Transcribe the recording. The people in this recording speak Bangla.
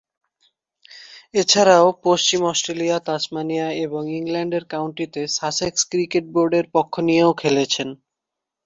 এছাড়াও, পশ্চিম অস্ট্রেলিয়া, তাসমানিয়া এবং ইংল্যান্ডের কাউন্টিতে সাসেক্স ক্রিকেট বোর্ডের পক্ষ নিয়েও খেলেছেন।